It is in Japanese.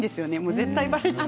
絶対ばれちゃう。